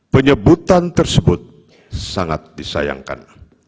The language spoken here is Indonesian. penyebutan tersebut sangat disayangkan